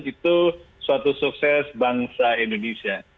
itu suatu sukses bangsa indonesia